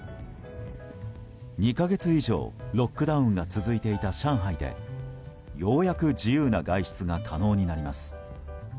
２か月以上ロックダウンが続いていた上海でようやく自由な外出が可能になります。